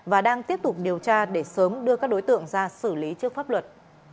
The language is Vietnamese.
và đang tiếp tục điều tra để sớm đưa các đối tượng ra xử lý trước pháp luật